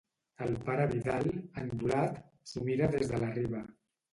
El Pare Vidal, endolat, s'ho mira des de la Riba.